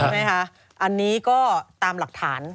ไหมคะอันนี้ก็ตามหลักฐาน